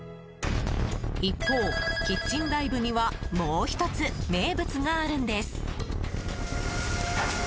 一方、キッチンＤＩＶＥにはもう１つ名物があるんです。